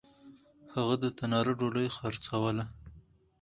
هغه د تنار ډوډۍ خرڅلاوه. .